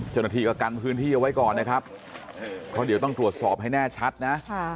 เจ้าหน้าที่ก็กันพื้นที่เอาไว้ก่อนนะครับเพราะเดี๋ยวต้องตรวจสอบให้แน่ชัดนะ